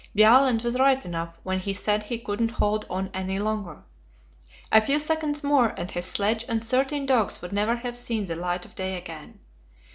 Bjaaland was right enough when he said he couldn't hold on any longer. A few seconds more, and his sledge and thirteen dogs would never have seen the light of day again.